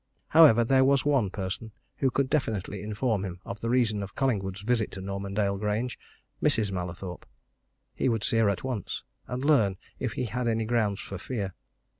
However, there was one person who could definitely inform him of the reason of Collingwood's visit to Normandale Grange Mrs. Mallathorpe. He would see her at once, and learn if he had any grounds for fear.